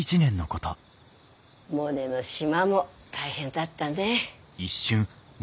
モネの島も大変だったね。